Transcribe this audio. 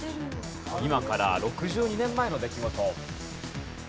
今から６２年前の出来事。